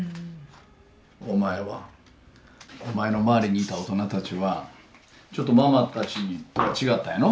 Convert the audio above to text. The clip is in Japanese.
お前の周りにいた大人たちはちょっとママたちとは違ったんやろ？